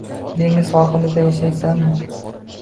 Dengiz sohilida yashasam